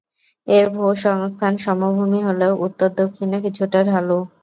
এর ভূসংস্থান সমভূমি হলেও উত্তর দক্ষিণে কিছুটা ঢালু।